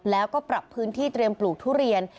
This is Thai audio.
แล้วก็ปรับพื้นที่เตรียมปลูกทุเรียน